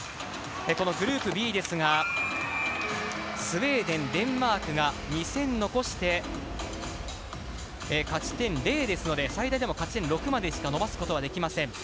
このグループＢですがスウェーデン、デンマークが２戦残して勝ち点０ですので、最大でも勝ち点６までしか伸ばすことはできません。